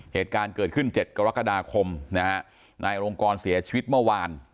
เหตุการณ์เกิดขึ้น๗กรกฎาคมนะฮะนายอรงกรเสียชีวิตเมื่อวาน